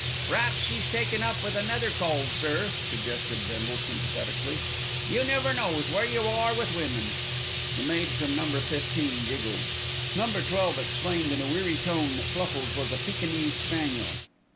"P'raps she's taken up with another cove, sir," suggested Bindle sympathetically. "You never knows where you are with women." The maid from Number Fifteen giggled. Number Twelve explained in a weary tone that Fluffles was a Pekinese spaniel.